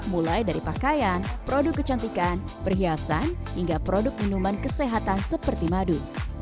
mulai dari pakaian produk kecantikan perhiasan hingga produk minuman kesehatan seperti madu